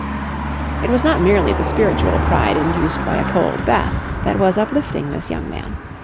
It was not merely the spiritual pride induced by a cold bath that was uplifting this young man.